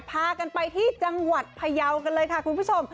พากันไปที่จังหวัดพยาวกันเลยค่ะคุณผู้ชม